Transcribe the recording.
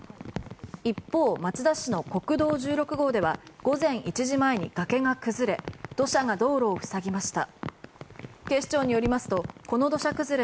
一方、町田市の国道１６号では午前１時前に崖が崩れ土砂が道路を塞ぎました。